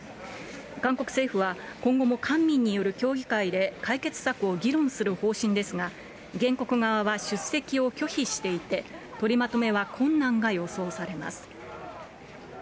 韓国政府は、今後も官民による協議会で解決策を議論する方針ですが、原告側は出席を拒否していて、取りまとめは困難が予想されます。